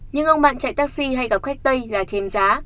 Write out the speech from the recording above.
nhưng ông bạn chạy taxi hay gặp khách tây là chém giá